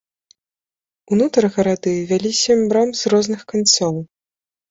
Унутр гарады вялі сем брам з розных канцоў.